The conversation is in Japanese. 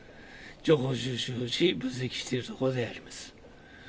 情報収集をし、分析しているところであります。